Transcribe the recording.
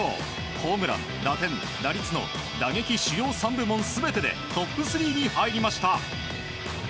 ホームラン打点打率の打撃主要３部門全てでトップ３に入りました。